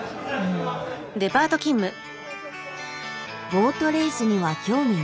ボートレースには興味なし。